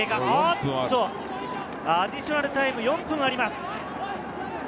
アディショナルタイム４分あります。